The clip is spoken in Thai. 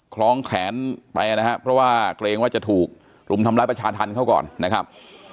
คล้องแขนไปนะครับเพราะว่าเกรงว่าจะถูกรุมทำร้ายประชาธรรมเขาก่อนนะครับ